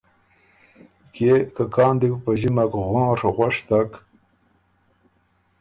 کيې که کان دی بو په ݫِمک غونڒ غؤشتک،